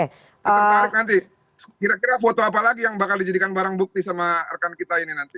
kita tertarik nanti kira kira foto apa lagi yang bakal dijadikan barang bukti sama rekan kita ini nanti